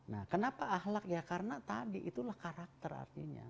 nah kenapa ahlak ya karena tadi itulah karakter artinya